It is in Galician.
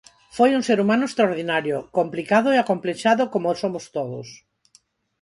Foi un ser humano extraordinario, complicado e acomplexado como somos todos.